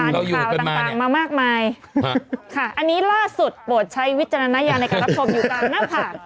ข่าวต่างมามากมายค่ะอันนี้ล่าสุดโปรดใช้วิจารณญาณในการรับชมอยู่ตามหน้าผาก